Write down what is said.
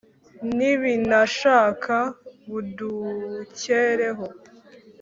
nibinashaka budukereho